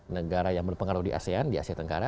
negara yang berpengaruh di asean di asia tenggara